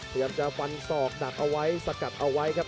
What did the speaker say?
พยายามจะฟันศอกดักเอาไว้สกัดเอาไว้ครับ